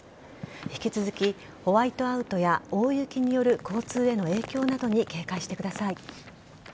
引き続きホワイトアウトや大雪による交通への影響などに警戒してください。